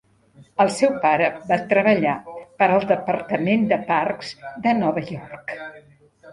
El seu pare va treballar per al Departament de Parcs de Nova York.